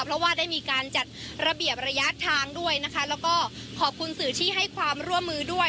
เพราะว่าได้มีการจัดระเบียบระยะทางด้วยนะคะแล้วก็ขอบคุณสื่อที่ให้ความร่วมมือด้วย